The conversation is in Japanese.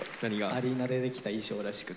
アリーナでできた衣装らしくって。